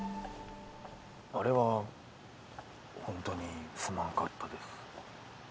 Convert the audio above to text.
あれはホントにすまんかったです